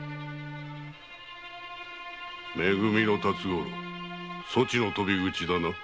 「め組」の辰五郎そちの鳶口だな。